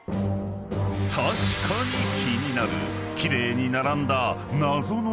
［確かに気になる奇麗に並んだ］